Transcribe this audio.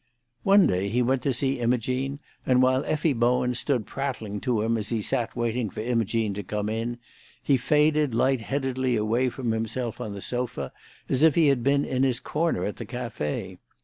One day he went to see Imogene, and while Effie Bowen stood prattling to him as he sat waiting for Imogene to come in, he faded light headedly away from himself on the sofa, as if he had been in his corner at the café.